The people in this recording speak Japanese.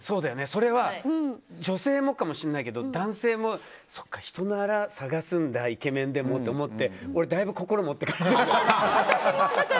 それは女性もかもしれないけど男性もそっか、人のあら探すんだイケメンでもって思って俺、だいぶ心持っていかれた。